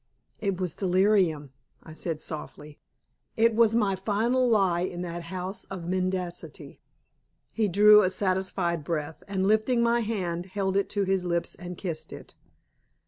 "It was delirium," I said softly. It was my final lie in that house of mendacity. He drew a satisfied breath, and lifting my hand, held it to his lips and kissed it.